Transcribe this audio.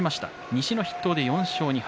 西の筆頭で４勝２敗。